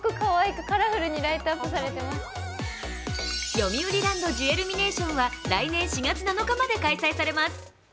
よみうりランドジュエルミネーションは来年４月７日まで開催されます。